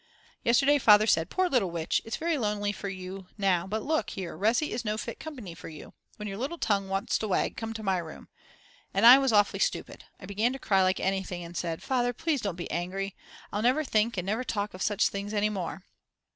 Yesterday Father said: Poor little witch, it's very lonely for you now; but look here, Resi is no fit company for you; when your little tongue wants to wag, come to my room. And I was awfully stupid, I began to cry like anything and said. "Father, please don't be angry, I'll never think and never talk of such things any more."